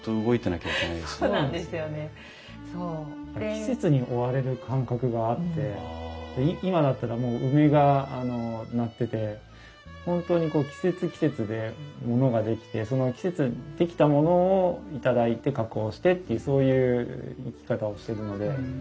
季節に追われる感覚があって今だったらもう梅がなってて本当に季節季節でものが出来てその季節に出来たものを頂いて加工してっていうそういう生き方をしてるので。